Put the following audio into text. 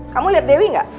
kamu liat dewi gak